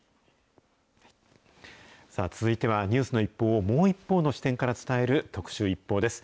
続いては、ニュースの一報をもう一方の視点から伝える、特集ＩＰＰＯＵです。